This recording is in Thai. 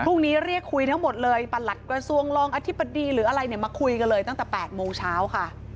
เรียกคุยทั้งหมดเลยประหลัดกระทรวงรองอธิบดีหรืออะไรเนี่ยมาคุยกันเลยตั้งแต่๘โมงเช้าค่ะ